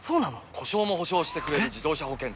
故障も補償してくれる自動車保険といえば？